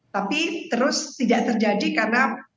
tapi terus tidak terjadi karena terbangun tiga